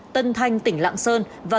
để xong tầm ba lần sáng